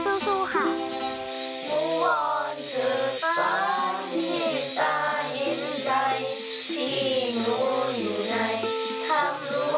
พ่อแม่ญาติและคนไทยทั้งประเทศ